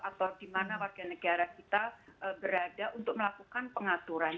atau di mana warga negara kita berada untuk melakukan pengaturan